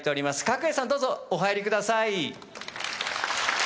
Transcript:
鶴英さんどうぞお入りください。